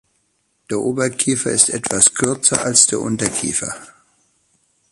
Der Oberkiefer ist etwas kürzer als der Unterkiefer.